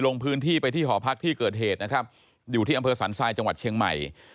ลงพื้นที่ไปที่หอพักที่เกิดเหตุนะครับอยู่ที่อำเภอสันทรายจังหวัดเชียงใหม่